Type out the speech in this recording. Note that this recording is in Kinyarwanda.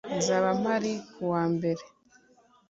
nzaba mpari kuwa mbere